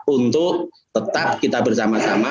untuk tetap kita bersama sama